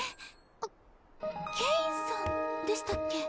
あっケインさんでしたっけ？